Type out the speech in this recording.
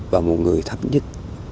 và một người thấp nhất